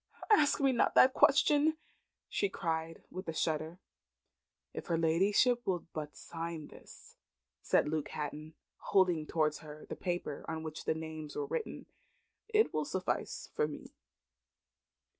"Ask me not that question!" she cried, with a shudder. "If her ladyship will but sign this," said Luke Hatton, holding towards her the paper on which the names were written, "it will suffice for me."